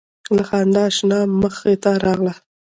له خندا شنه مخې ته راغله